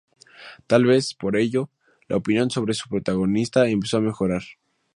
Tal vez por ello, la opinión sobre su protagonista empezó a mejorar.